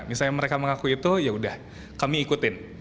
misalnya mereka mengaku itu yaudah kami ikutin